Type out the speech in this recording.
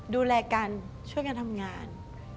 ดูแลกันช่วยกันทำงาน